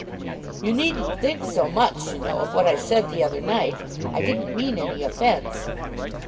"You needn't think so much, you know, of what I said the other night. I didn't mean any offence."